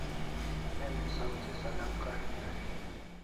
Emi saw thi Salam karin dai